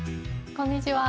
こんにちは。